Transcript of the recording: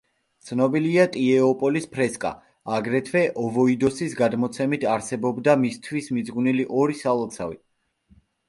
ცნობილია ტიეოპოლის ფრესკა, აგრეთვე ოვოიდოსის გადმოცემით, არსებობდა მისთვის მიძღვნილი ორი სალოცავი.